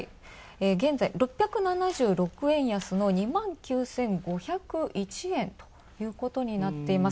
現在、６７６円安の２万９５０１円ということになっています。